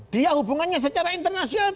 dia hubungannya secara internasional